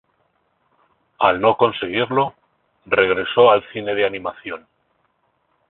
Al no conseguirlo, regresó al cine de animación.